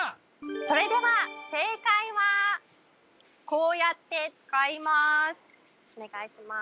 それでは正解はこうやって使いますお願いします